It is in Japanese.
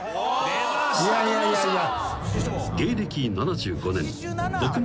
いやいやいやいや」